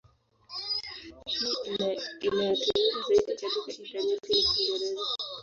Hii inayotumika zaidi katika intaneti ni Kiingereza.